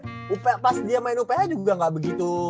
oh uph pas dia main uph juga gak begitu